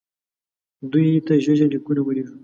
دوی ته ژر ژر لیکونه ولېږو.